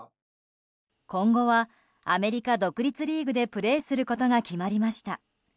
今後は、アメリカ独立リーグでプレーすることが決まりました。